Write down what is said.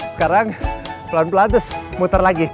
sekarang pelan pelan terus muter lagi